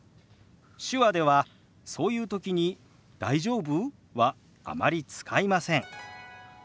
手話ではそういう時に「大丈夫？」はあまり使いません。